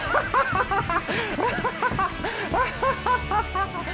ハハハハ！